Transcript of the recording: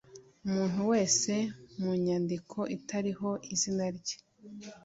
Umuntu wese mu nyandiko itariho izina rye